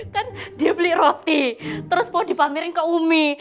kan dia beli roti terus mau dipamerin ke umi